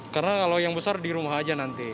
karena kalau yang besar di rumah saja nanti